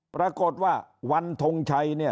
ปรากฏว่าวันทงชัยเนี่ย